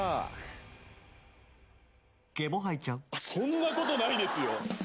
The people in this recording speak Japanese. そんなことないですよ。